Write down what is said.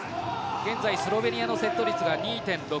現在、スロベニアのセット率が２．６。